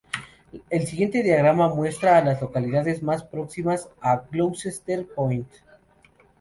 El siguiente diagrama muestra a las localidades más próximas a Gloucester Point.